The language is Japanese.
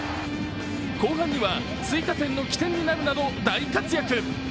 後半には追加点の起点になるなど大活躍。